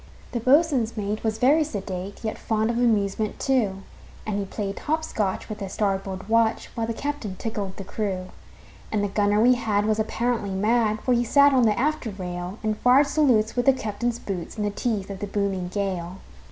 The boatswain's mate was very sedate, Yet fond of amusement, too; And he played hop scotch with the starboard watch, While the captain tickled the crew. And the gunner we had was apparently mad, For he sat on the after rail, And fired salutes with the captain's boots, In the teeth of the booming gale.